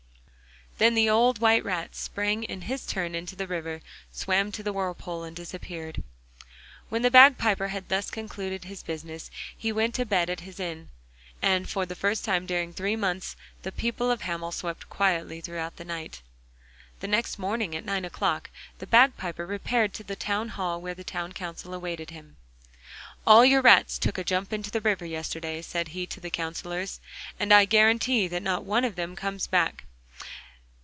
Then the old white rat sprang in his turn into the river, swam to the whirlpool and disappeared. When the bagpiper had thus concluded his business he went to bed at his inn. And for the first time during three months the people of Hamel slept quietly through the night. The next morning, at nine o'clock, the bagpiper repaired to the town hall, where the town council awaited him. 'All your rats took a jump into the river yesterday,' said he to the counsellors, 'and I guarantee that not one of them comes back.